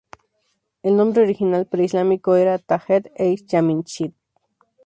El nombre original pre-islámico era Tajt-e-Yamshid.